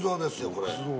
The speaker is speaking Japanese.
これ。